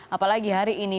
apalagi hari ini